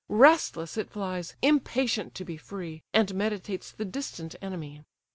Restless it flies, impatient to be free, And meditates the distant enemy.